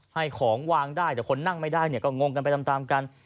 ให้ของวางได้แต่คนนั่งไม่ได้เนี่ยก็งงกันไปตามกัน